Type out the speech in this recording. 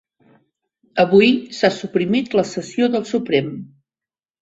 Avui s'ha suprimit la sessió del Suprem